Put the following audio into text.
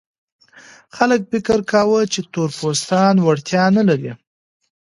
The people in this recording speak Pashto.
خلک فکر کاوه چې تور پوستان وړتیا نه لري.